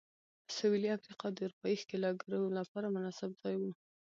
سوېلي افریقا د اروپايي ښکېلاکګرو لپاره مناسب ځای و.